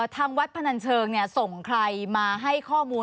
ทางวัดพนันเชิงส่งใครมาให้ข้อมูล